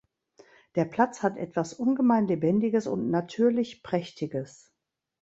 Der Platz hat etwas ungemein Lebendiges und Natürlich-Prächtiges.